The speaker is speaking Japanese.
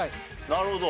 なるほど。